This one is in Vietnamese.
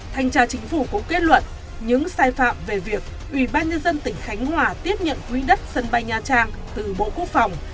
thanh tra chính phủ cũng kết luận những sai phạm về việc ủy ban nhân dân tỉnh khánh hòa tiếp nhận quỹ đất sân bay nha trang từ bộ quốc phòng